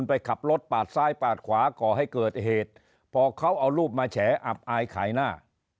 ไปขับรถปาดซ้ายปาดขวาก่อให้เกิดเหตุพอเขาเอารูปมาแฉอับอายขายหน้า